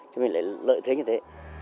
cho mình lại lợi thế như thế